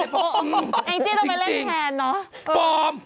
แอ้งจี้ต้องไปเล่นแถนเหรอเออจริงพอม